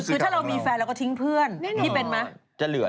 คือถ้าเรามีแฟนเราก็ทิ้งเพื่อนนี่เป็นไหม